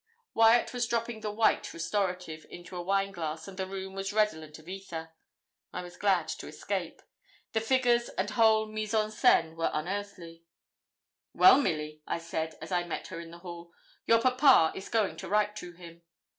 Wyat was dropping the 'white' restorative into a wine glass and the room was redolent of ether. I was glad to escape. The figures and whole mise en scène were unearthly. 'Well, Milly,' I said, as I met her in the hall, 'your papa is going to write to him.'